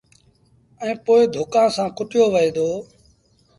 ائيٚݩ پو ڌوڪآݩ سآݩ ڪُٽيو وهي دو۔